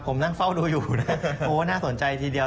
ผมนั่งเฝ้าดูอยู่นะโอ้น่าสนใจทีเดียว